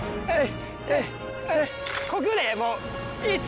はい。